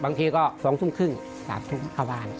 บางทีก็๒สุขุ้งสาบไม้จน๒บาท